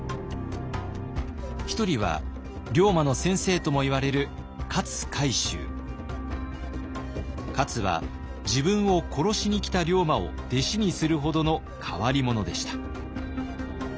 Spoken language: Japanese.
一人は龍馬の先生ともいわれる勝は自分を殺しに来た龍馬を弟子にするほどの変わり者でした。